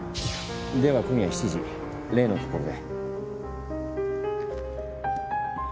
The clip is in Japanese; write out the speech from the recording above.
では今夜７時例の所で。